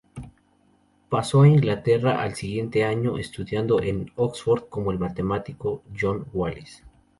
Pasó a Inglaterra al siguiente año, estudiando en Oxford con el matemático John Wallis.